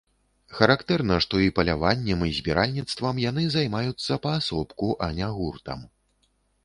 Характэрна, што і паляваннем, і збіральніцтвам яны займаюцца паасобку, а не гуртам.